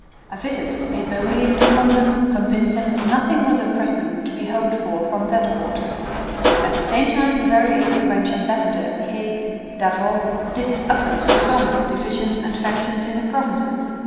A visit made by William to London convinced him that nothing was at present to be hoped for from that quarter. At the same time the very able French ambassador at the Hague, D'Avaux, did his utmost to foment the divisions and factions in the Provinces.